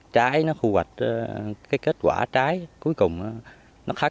trái nó khu hoạch cái kết quả trái cuối cùng nó khắc